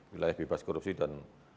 wilayah bebas korupsi dan